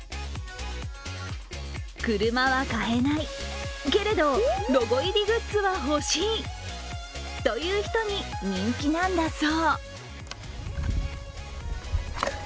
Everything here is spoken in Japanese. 車は買えない、けれどロゴ入りグッズは欲しいという人に人気なんだそう。